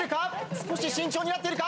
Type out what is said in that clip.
少し慎重になっているか？